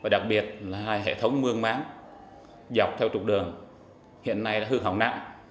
đặc biệt là hai hệ thống mương máng dọc theo trục đường hiện nay đã hư hỏng nặng